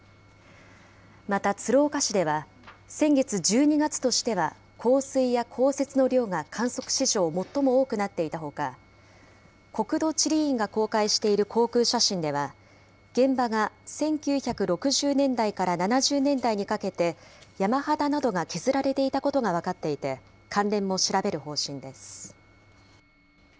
また鶴岡市では、先月、１２月としては降水や降雪の量が観測史上最も多くなっていたほか、国土地理院が公開している航空写真では、現場が１９６０年代から７０年代にかけて、山肌などが削られていたことが分かっていて、関連も調べる方針です。